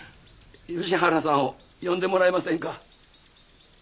吉原さんを呼んでもらえませんか？